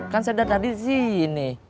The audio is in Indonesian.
kan saya datang disini